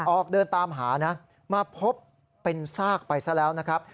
ออกเดินตามหานะมาพบเป็นซากไปซะแล้วนะครับ